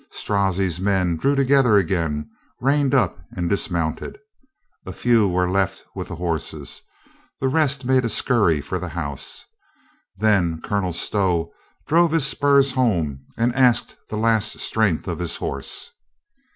Strozzi's men drew together again, reined up and dismounted. A few were left with the horses. The rest made a scurry for the house. Then Colonel Stow drove his spurs home and asked the last strength of his horse.